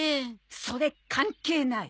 それ関係ない。